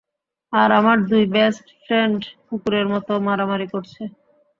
আর আমার দুই best friend কুকুরের মতো মারামারি করছে!